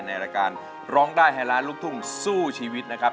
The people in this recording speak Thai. ในรายการร้องได้ให้ล้านลูกทุ่งสู้ชีวิตนะครับ